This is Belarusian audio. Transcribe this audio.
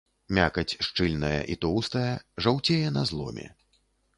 Мякаць шчыльная і тоўстая, жаўцее на зломе.